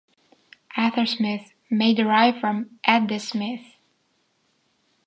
Athersmith may derive from "at the Smith".